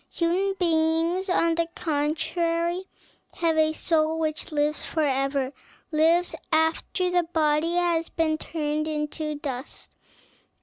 Human beings, on the contrary, have a soul which lives forever, lives after the body has been turned to dust.